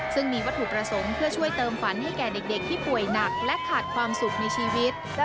ซึ่งมีวัตถุประสงค์เพื่อช่วยเติมฝันให้แก่เด็กที่ป่วยหนักและขาดความสุขในชีวิต